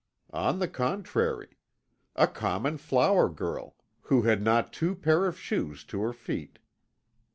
On the contrary. A common flower girl, who had not two pair of shoes to her feet.